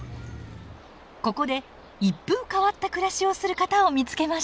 ここで一風変わった暮らしをする方を見つけました。